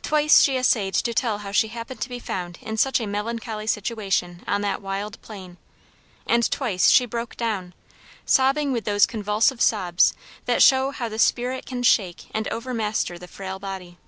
Twice she essayed to tell how she happened to be found in such a melancholy situation on that wild plain, and twice she broke down, sobbing with those convulsive sobs that show how the spirit can shake and over master the frail body.